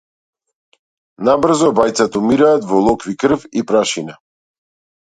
Набрзо обајцата умираат во локви крв и прашина.